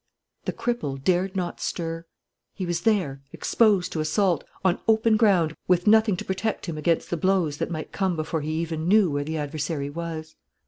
The cripple dared not stir. He was there, exposed to assault, on open ground, with nothing to protect him against the blows that might come before he even knew where the adversary was.